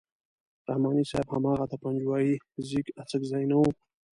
رحماني صاحب هماغه د پنجوایي زېږ اڅکزی نه وو.